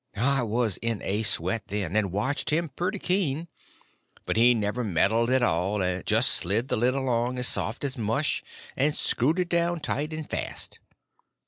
I was in a sweat then, and watched him pretty keen. But he never meddled at all; just slid the lid along as soft as mush, and screwed it down tight and fast.